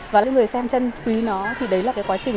và những người xem chân quý nó thì đấy là cái quá trình